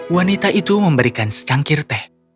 wanita itu memberikan secangkir teh